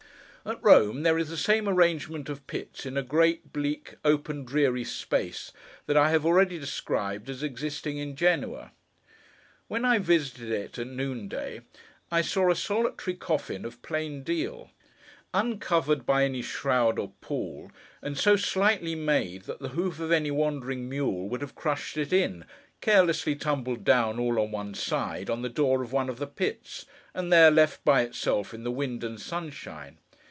At Rome, there is the same arrangement of Pits in a great, bleak, open, dreary space, that I have already described as existing in Genoa. When I visited it, at noonday, I saw a solitary coffin of plain deal: uncovered by any shroud or pall, and so slightly made, that the hoof of any wandering mule would have crushed it in: carelessly tumbled down, all on one side, on the door of one of the pits—and there left, by itself, in the wind and sunshine.